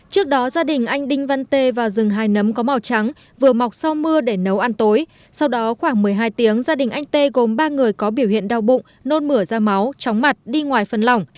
trước đó gia đình anh đinh văn tê vào rừng hai nấm có màu trắng vừa mọc sau mưa để nấu ăn tối sau đó khoảng một mươi hai tiếng gia đình anh tê gồm ba người có biểu hiện đau bụng nôn mửa da máu chóng mặt đi ngoài phần lỏng